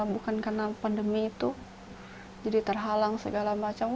bukan karena pandemi itu jadi terhalang segala macam